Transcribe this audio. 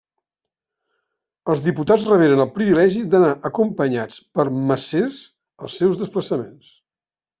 Els diputats reberen el privilegi d'anar acompanyats per macers als seus desplaçaments.